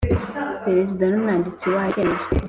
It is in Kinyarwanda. Perezida n umwanditsi wayo ikemezwa